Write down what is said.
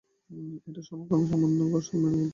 একটা সমকামী সামান্য প্রেমের গল্প।